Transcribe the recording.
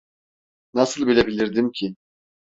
Nasıl bilebilirdim ki?